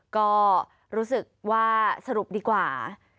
ก็รู้สึกว่าสรุปดีกว่า